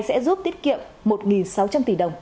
sẽ giúp tiết kiệm một sáu trăm linh tỷ đồng